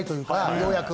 ようやく。